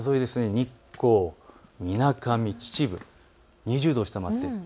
日光、みなかみ、秩父、２０度を下回っています。